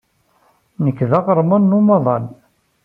Nekk d aɣerman n umaḍal.